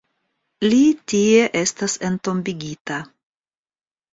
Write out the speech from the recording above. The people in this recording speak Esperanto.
Li tie estas entombigita.